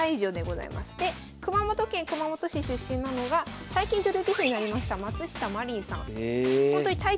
で熊本県熊本市出身なのが最近女流棋士になりました松下舞琳さん。